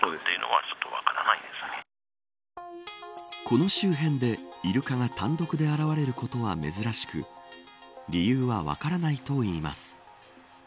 この周辺でイルカが単独で現れることは珍しく理由は分からないといいます。